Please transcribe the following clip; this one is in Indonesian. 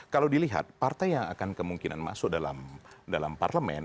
kalau dilihat partai yang akan kemungkinan masuk dalam parlemen